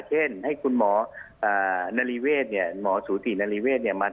เช่นให้คุณหมอนารีเวทหมอสูตินารีเวทมาทำ